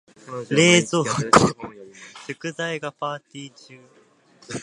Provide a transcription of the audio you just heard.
冷蔵庫、食材がパーティ中。